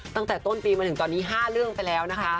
ตั้งแต่ต้นปีมาถึงตอนนี้๕เรื่องไปแล้วนะคะ